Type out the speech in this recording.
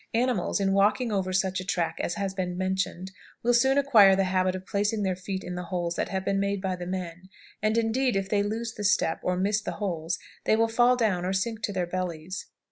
Animals, in walking over such a track as has been mentioned, will soon acquire the habit of placing their feet in the holes that have been made by the men; and, indeed, if they lose the step or miss the holes, they will fall down or sink to their bellies.